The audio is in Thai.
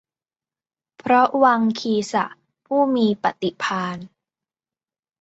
พระวังคีสะ ผู้มีปฏิภาณ